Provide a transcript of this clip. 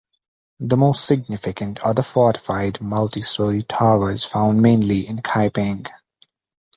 The most significant are the fortified multi-story towers found mainly in Kaiping.